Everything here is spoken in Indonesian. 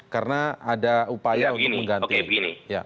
karena ada upaya untuk mengganti